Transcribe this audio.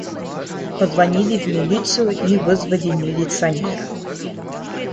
Позвонили в милицию и вызвали милиционера.